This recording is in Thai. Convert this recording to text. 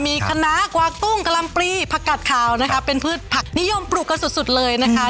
มีคณะกวากตุ้งกะลำปลีผักกัดขาวนะคะเป็นพืชผักนิยมปลูกกันสุดสุดเลยนะคะ